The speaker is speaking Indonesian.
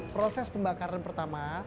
proses pembakaran pertama